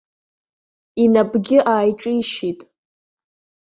Инапгьы ааиҿишьит.